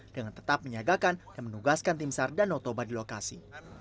dengan tetap menyiagakan dan menugaskan timsar dan notoba di lokasi